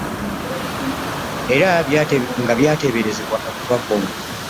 Era nga byateeberezebwa okuba bbomu